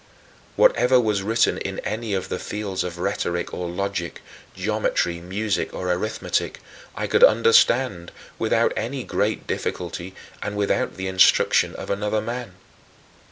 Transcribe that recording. Whatever was written in any of the fields of rhetoric or logic, geometry, music, or arithmetic, I could understand without any great difficulty and without the instruction of another man.